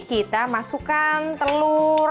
kita masukkan telur